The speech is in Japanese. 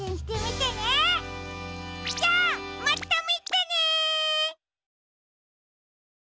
じゃあまたみてね！